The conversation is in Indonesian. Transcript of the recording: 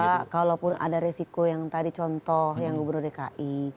saya kira kalaupun ada resiko yang tadi contoh yang gubernur dki